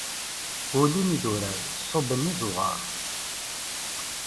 Ulin idurar, ṣubben iẓuɣar.